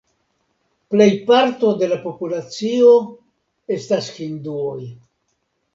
Plejparto de la populacio estas hinduoj.